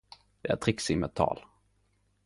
Det er triksing med tal.